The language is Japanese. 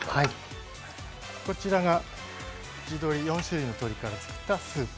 こちらが地鶏４種類の鶏から作ったスープ。